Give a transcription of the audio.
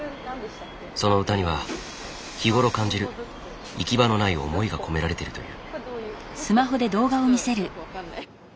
その歌には日頃感じる行き場のない思いが込められているという。